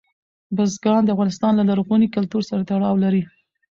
بزګان د افغانستان له لرغوني کلتور سره تړاو لري.